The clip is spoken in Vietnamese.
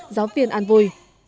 giáo viên an vui